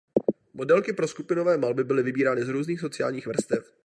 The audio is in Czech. Modelky pro skupinové malby byly vybírány z různých sociálních vrstev.